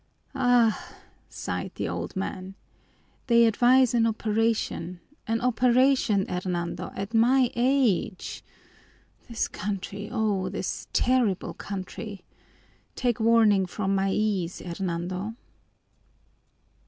"Ah," sighed the old man, "they advise an operation, an operation, Hernando, at my age! This country, O this terrible country! Take warning from my ease, Hernando!"